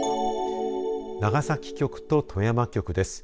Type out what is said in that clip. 長崎局と富山局です。